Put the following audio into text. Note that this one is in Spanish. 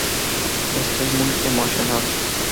Estoy muy emocionado".